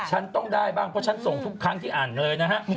ฉันต้องได้บ้างเพราะฉันส่งทุกครั้งที่อ่านเลยนะฮะ